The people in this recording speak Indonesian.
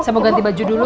saya mau ganti baju dulu